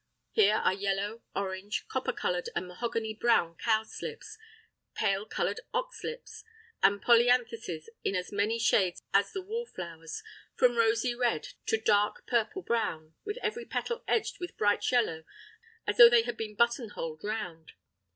Here are yellow, orange, copper coloured and mahogany brown cowslips; pale coloured oxlips, and polyanthuses in as many shades as the wallflowers, from rosy red to dark purple brown with every petal edged with bright yellow as though they had been buttonholed round.